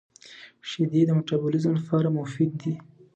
• شیدې د مټابولیزم لپاره مفید دي.